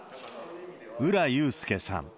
浦優介さん。